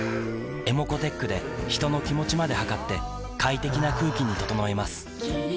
ｅｍｏｃｏーｔｅｃｈで人の気持ちまで測って快適な空気に整えます三菱電機